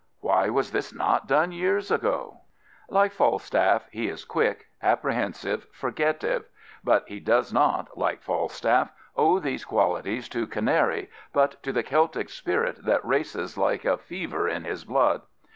Why was this not done years ago ? Like Falstaff, he is " quick, apprehensive, for getive, but he does not, like Falstaff, owe these qualities to canary, but to the Celtic spirit that races like a fever in his blood.